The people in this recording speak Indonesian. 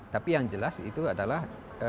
tapi yang jelas itu adalah